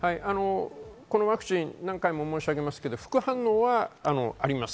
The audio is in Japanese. このワクチン何回も申し上げていますが副反応はあります。